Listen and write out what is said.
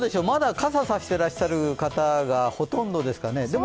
まだ傘差していらっしゃる方がほとんどですかね。